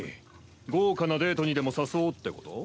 豪華なデートにでも誘おうってこと？